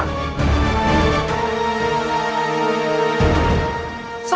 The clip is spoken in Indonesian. saudara agus cepat keluar